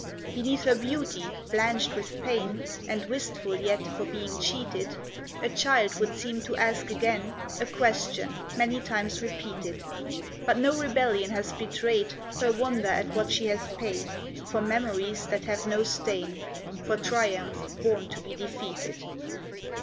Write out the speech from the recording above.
Beneath her beauty, blanched with pain, And wistful yet for being cheated, A child would seem to ask again A question many times repeated; But no rebellion has betrayed Her wonder at what she has paid For memories that have no stain, For triumph born to be defeated.